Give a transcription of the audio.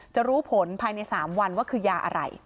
จะรู้ผลภายใน๓วันว่าคือยาอะไร